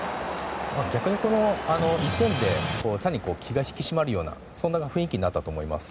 逆にこの１点で更に気が引き締まるような雰囲気になったと思います。